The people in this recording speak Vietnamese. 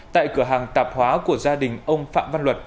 tại cửa hàng tạp hóa của gia đình ông phạm văn luật